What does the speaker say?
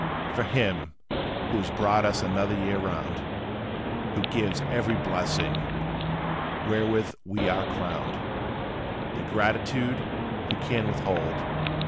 "From Him, who has brought us another year round, Who gives every blessing, wherewith we are crowned, Their gratitude who can withhold?